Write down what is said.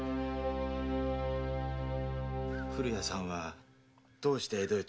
古谷さんはどうして江戸へと？